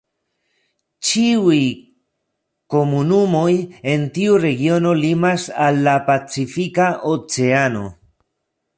Ĉiuj komunumoj en tiu regiono limas al la pacifika oceano.